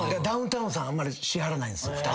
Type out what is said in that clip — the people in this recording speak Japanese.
ダウンタウンさんあんまりしはらないんですよ